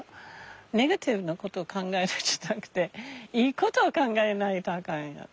ネガティブなことを考えるんじゃなくていいことを考えないとあかんよね。